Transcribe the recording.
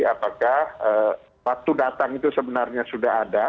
apakah waktu datang itu sebenarnya sudah ada